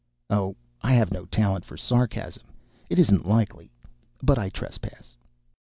(Oh, I have no talent for sarcasm, it isn't likely.) But I trespass.